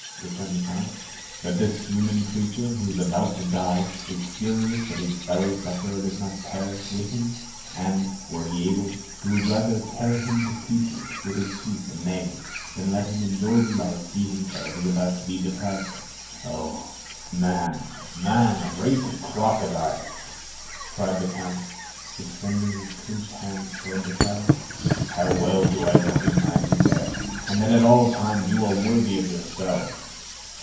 returned the count, "that this human creature who is about to die is furious that his fellow sufferer does not perish with him? and, were he able, he would rather tear him to pieces with his teeth and nails than let him enjoy the life he himself is about to be deprived of. Oh, man, man—race of crocodiles," cried the count, extending his clenched hands towards the crowd, "how well do I recognize you there, and that at all times you are worthy of yourselves!"